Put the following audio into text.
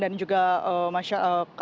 dan juga keamanan masyarakat